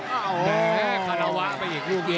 แล้วขราวะไปอีกครั้ง